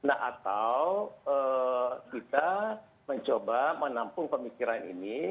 atau kita mencoba menampung pemikiran ini